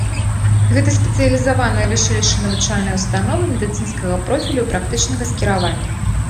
Гэта спецыялізаваная вышэйшая навучальная ўстанова медыцынскага профілю і практычнага скіраваня.